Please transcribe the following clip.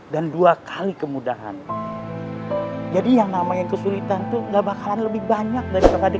dan dua kali kemudahan jadi yang namanya kesulitan tuh gak bakalan lebih banyak dari peradik